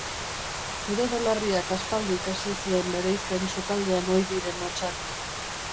Zure belarriak aspaldi ikasi zuen bereizten sukaldean ohi diren hotsak.